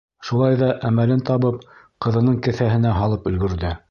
Шулай ҙа әмәлен табып, ҡыҙының кеҫәһенә һалып өлгөрҙө.